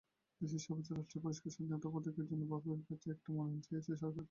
দেশের সর্বোচ্চ রাষ্ট্রীয় পুরস্কার স্বাধীনতা পদকের জন্য বাফুফের কাছে একটা মনোনয়ন চেয়েছে সরকার।